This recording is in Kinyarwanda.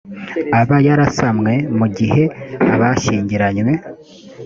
aba yarasamwe mu gihe abashyingiranywe